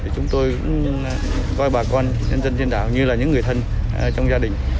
chúng tôi cũng coi bà con nhân dân trên đảo như là những người thân trong gia đình